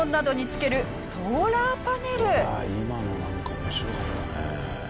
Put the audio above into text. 今のなんか面白かったね。